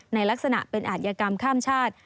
ในลักษณะเป็นอาธิกรรมข้ามชาติ